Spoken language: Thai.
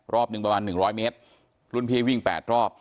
รอบหนึ่งประมาณ๑๐๐เมตรรุ่นพี่วิ่ง๘รอบ